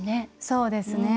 そうですね。